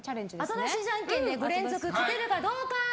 後出しじゃんけんで５連続勝てるかどうか。